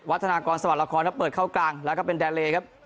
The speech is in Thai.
วัฒนากรสมรรค์ละครครับเปิดเข้ากลางแล้วก็เป็นดาลเลครับ